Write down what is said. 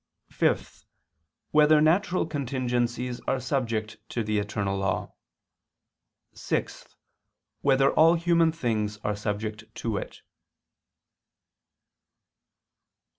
(5) Whether natural contingencies are subject to the eternal law? (6) Whether all human things are subject to it?